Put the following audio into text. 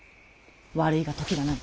悪いが時がない！